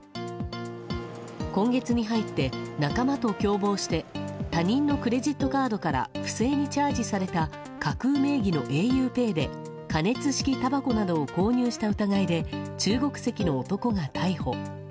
今月に入って、仲間と共謀して他人のクレジットカードから不正にチャージされた架空名義のａｕＰＡＹで加熱式タバコなどを購入した疑いで中国籍の男が逮捕。